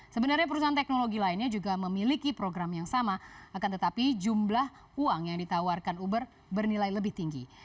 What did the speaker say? sebenarnya perusahaan teknologi lainnya juga memiliki program yang sama akan tetapi jumlah uang yang ditawarkan uber bernilai lebih tinggi